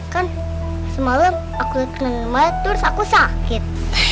kan semalam aku liat kerendam ayat terus aku sakit